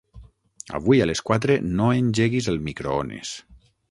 Avui a les quatre no engeguis el microones.